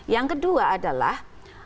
yang kedua adalah